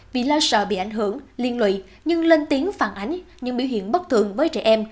vì lo sợ bị ảnh hưởng liên lụy nhưng lên tiếng phản ánh nhưng biểu hiện bất thường với trẻ em